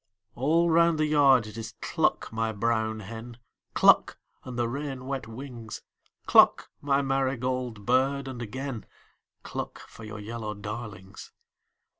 All round the yard it is cluck, my brown hen, Cluck, and the rain wet wings, Cluck, my marigold bird, and again Cluck for your yellow darlings.